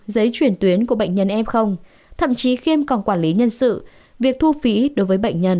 giấy chuyển tuyến của bệnh nhân f thậm chí khiêm còn quản lý nhân sự việc thu phí đối với bệnh nhân